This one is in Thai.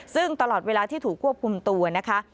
ซึ่งตลอดเวลาที่ถูกควบคุมตัวนะคะ